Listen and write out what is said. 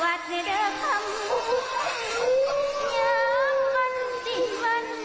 อย่างมันจริงมันพาให้ต้องเพ้นจังหันบาง